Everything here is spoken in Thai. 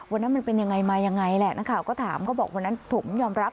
วันนั้นมันเป็นยังไงมายังไงแหละข่าวก็ถามก็บอกวันนั้นผมยอมรับ